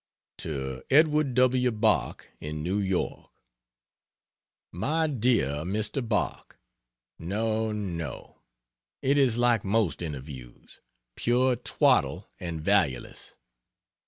To Edward W. Bok, in New York: MY DEAR MR. BOK, No, no. It is like most interviews, pure twaddle and valueless.